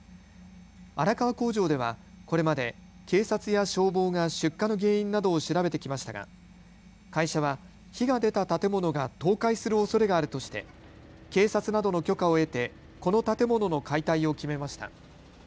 荒川工場ではこれまで警察や消防が出火の原因などを調べてきましたが会社は火が出た建物が倒壊するおそれがあるとして警察などの許可を得てこの建物の解体を決めました。